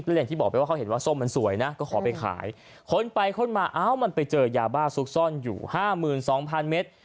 และอย่างที่บอกไปว่าเขาเห็นว่าส้มมันสวยนะก็ขอไปขายคนไปค้นมาเอ้ามันไปเจอยาบ้าซุกซ่อนอยู่๕๒๐๐เมตร